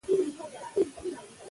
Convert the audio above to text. ځنګل د طبیعي ژوند برخه ده.